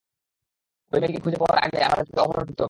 ওর মেয়েটিকে খুঁজে পাওয়ার আগেই আমাদের তাকে অপহরণ করতে হবে।